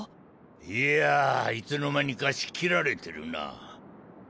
いやいつの間にか仕切られてるな。